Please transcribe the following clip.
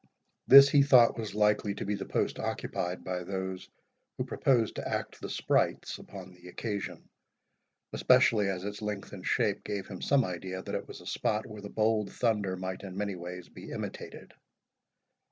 This he thought was likely to be the post occupied by those who proposed to act the sprites upon the occasion; especially as its length and shape gave him some idea that it was a spot where the bold thunder might in many ways be imitated.